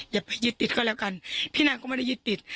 อย่าไปยึดติดก็แล้วกันพี่นางก็ไม่ได้ยึดติด